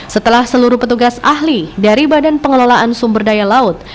setelah seluruh petugas ahli dari badan pengelolaan sumber daya laut